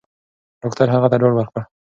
ډاکټر هغه ته ډاډ ورکړ.